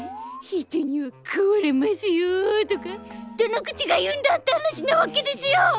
人には変われますよとかどの口が言うんだって話なわけですよ！